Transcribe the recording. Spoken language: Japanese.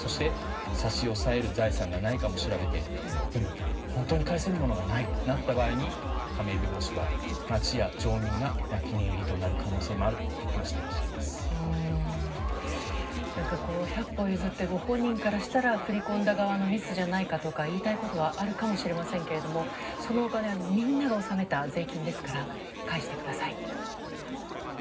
差し押さえる財産がないかも調べてでも、本当に返せるものがないとなった場合に亀井弁護士は町や町民が泣き寝入りとなる可能性もあると百歩譲ってご本人からしたら振り込んだ側のミスじゃないかとか言いたいことはあるかもしれませんがそのお金はみんなが納めた税金ですから返してください。